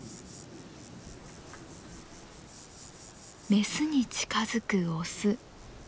メスに近づくオス。